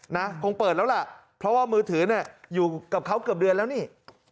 นะคงเปิดแล้วล่ะเพราะว่ามือถือเนี่ยอยู่กับเขาเกือบเดือนแล้วนี่